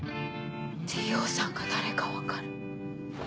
Ｔ・Ｏさんが誰か分かる。